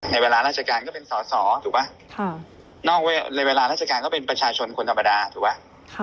เวลาราชการก็เป็นสอสอถูกป่ะนอกในเวลาราชการก็เป็นประชาชนคนธรรมดาถูกไหม